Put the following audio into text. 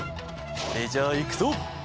それじゃあいくぞ！